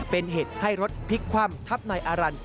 เป็นเหตุให้รถพลิกคว่ำทับนายอารันท